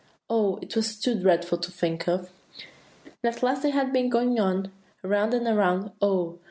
Oh, it was too dreadful to think of! "And at last they had been going on so, around and around, oh!